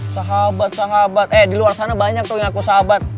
sahabat sahabat eh di luar sana banyak tuh yang aku sahabat